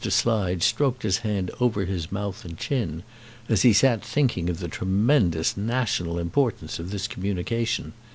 Slide stroked his hand over his mouth and chin as he sat thinking of the tremendous national importance of this communication.